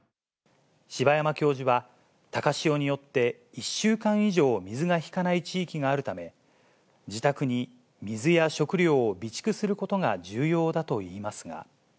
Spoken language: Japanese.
柴山教授は、高潮によって１週間以上、水が引かない地域があるため、自宅に水や食料を備蓄することが重要だといいますが。